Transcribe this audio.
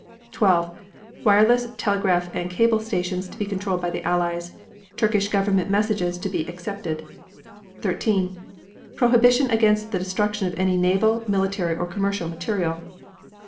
12. Wireless, telegraph and cable stations to be controlled by the Allies. Turkish Government messages to be excepted. 13. Prohibition against the destruction of any naval, military or commercial material.